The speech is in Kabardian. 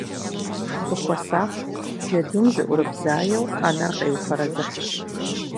Фыхуэсакъ, джэдум, зыӏурыбзаеу, ӏэнэр къеуфэрэзыхь.